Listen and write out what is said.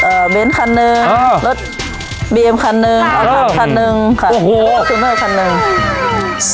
บีเอ็มคันนึงคันหนึ่งค่ะ